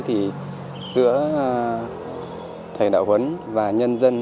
thì giữa thầy đạo huấn và nhân dân